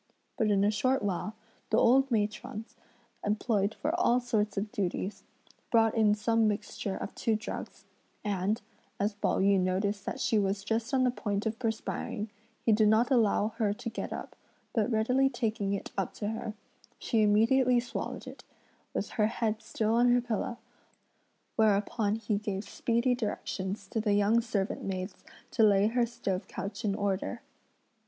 But in a short while, the old matrons employed for all sorts of duties, brought in some mixture of two drugs; and, as Pao yü noticed that she was just on the point of perspiring, he did not allow her to get up, but readily taking it up to her, she immediately swallowed it, with her head still on her pillow; whereupon he gave speedy directions to the young servant maids to lay her stove couch in order.